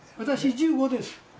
私１５です。